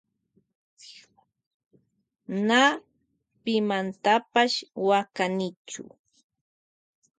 Na wakanichu pimantapash.